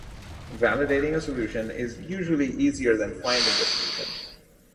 Validating a solution is usually easier than finding the solution.